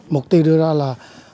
mục tiêu đưa ra là